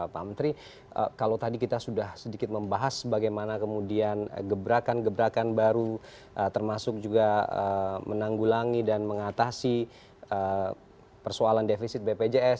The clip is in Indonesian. pak menteri kalau tadi kita sudah sedikit membahas bagaimana kemudian gebrakan gebrakan baru termasuk juga menanggulangi dan mengatasi persoalan defisit bpjs